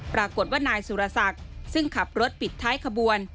ปรากฏว่านายสุรศักดิ์ซึ่งขับรถปิดท้ายขบวน